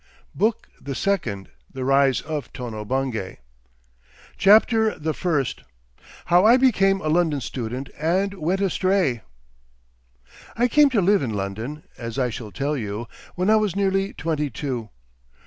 BOOK THE SECOND THE RISE OF TONO BUNGAY CHAPTER THE FIRST HOW I BECAME A LONDON STUDENT AND WENT ASTRAY I I came to live in London, as I shall tell you, when I was nearly twenty two.